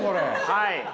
はい。